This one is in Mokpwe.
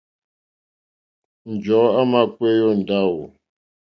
Njɔ̀ɔ́ àmà kpééyá ó ndáwù.